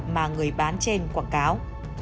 mà người bán trên quảng cáo